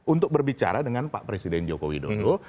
untuk berbicara dengan pak presiden joko widodo